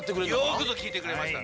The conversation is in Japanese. よくぞきいてくれました。